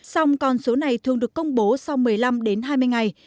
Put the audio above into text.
song con số này thường được công bố sau một mươi năm đến hai mươi ngày